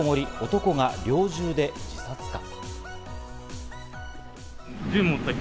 男が猟銃で自殺か？